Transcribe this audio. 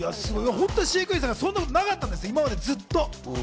飼育員さんがそんなことなかったんですよ、ずっと。